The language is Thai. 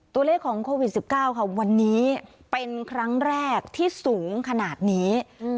ตัวเลขของโควิด๑๙ค่ะวันนี้เป็นครั้งแรกที่สูงขนาดนี้